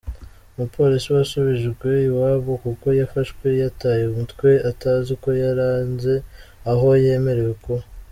"Umupolisi wasubijwe iwabo kuko yafashwe yataye umutwe atazi ko yarenze aho yemerewe kuba.